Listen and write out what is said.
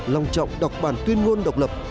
long trọng đọc bản tuyên ngôn độc lập